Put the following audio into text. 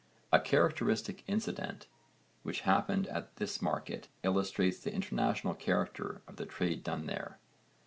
A characteristic incident which happened at this market illustrates the international character of the trade done there.